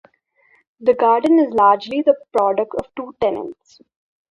The garden is largely the product of two tenants.